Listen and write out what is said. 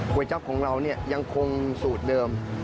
ก๋วยจั๊บของเรายังคงสูตรเดิม